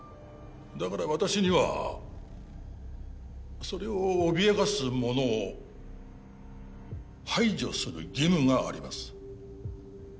だから私にはそれを脅かす者を排除する義務があります。